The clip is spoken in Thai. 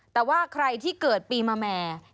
แต่ว่าใครที่เกิดปีมาแม่